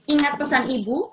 ingat pesan ibu